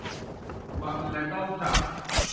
وه لەگەڵ تا